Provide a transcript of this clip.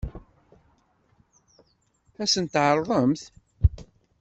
Ad sent-t-tɛeṛḍemt?